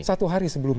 satu hari sebelumnya